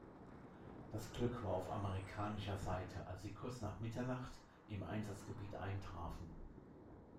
Das Glück war auf amerikanischer Seite, als sie kurz nach Mitternacht im Einsatzgebiet eintrafen.